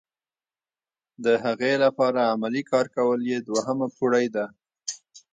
د هغې لپاره عملي کار کول یې دوهمه پوړۍ ده.